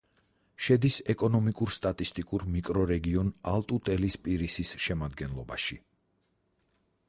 შედის ეკონომიკურ-სტატისტიკურ მიკრორეგიონ ალტუ-ტელის-პირისის შემადგენლობაში.